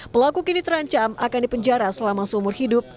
pelaku kini terancam akan dipenjara selama seumur hidup